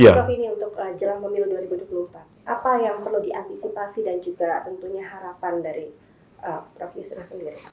prof ini untuk jelang pemilu dua ribu dua puluh empat apa yang perlu diantisipasi dan juga tentunya harapan dari prof yusra sendiri